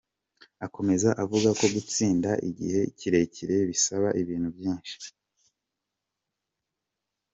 Akomeza avuga ko gutsinda igihe kirekire bisaba ibintu byinshi.